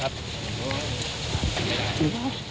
ครับตีครับ